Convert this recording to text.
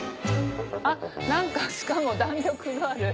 あっ何かしかも弾力のある。